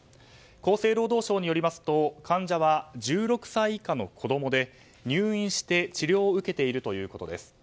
厚生労働省によりますと患者は１６歳以下の子供で入院して治療を受けているということです。